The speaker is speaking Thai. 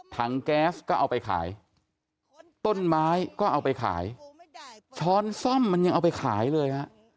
แก๊สก็เอาไปขายต้นไม้ก็เอาไปขายช้อนซ่อมมันยังเอาไปขายเลยฮะ